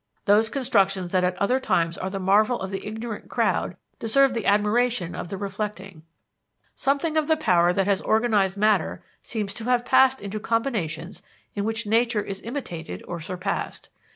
"Those constructions that at other times are the marvel of the ignorant crowd deserve the admiration of the reflecting: Something of the power that has organized matter seems to have passed into combinations in which nature is imitated or surpassed.